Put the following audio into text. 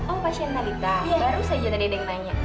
oh pasien balita baru saja tadi ada yang nanya